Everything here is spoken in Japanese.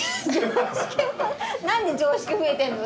何で常識増えてんの？